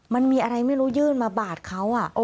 มันมีอะไรไม่รู้ยื่นมาบาดเขา